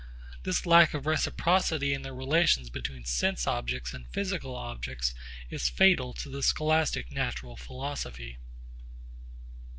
This lack of reciprocity in the relations between sense objects and physical objects is fatal to the scholastic natural philosophy.